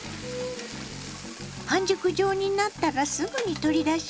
半熟状になったらすぐに取り出します。